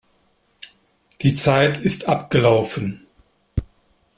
Die Zeit ist abgelaufen.